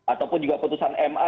ataupun juga putusan ma